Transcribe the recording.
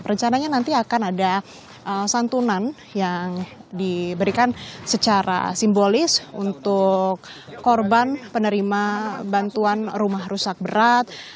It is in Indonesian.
rencananya nanti akan ada santunan yang diberikan secara simbolis untuk korban penerima bantuan rumah rusak berat